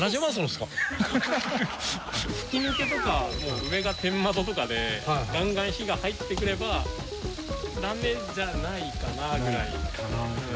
吹き抜けとか上が天窓とかでガンガン日が入ってくればダメじゃないかなぐらい。